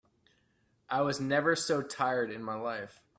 I was never so tired in my life.